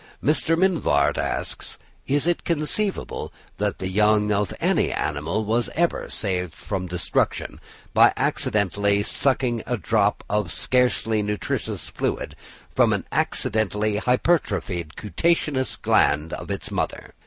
Mr. Mivart asks: "Is it conceivable that the young of any animal was ever saved from destruction by accidentally sucking a drop of scarcely nutritious fluid from an accidentally hypertrophied cutaneous gland of its mother?